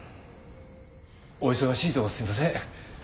お忙しいとこすいません。